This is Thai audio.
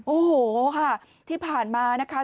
โอ้โหค่ะที่ผ่านมานะคะ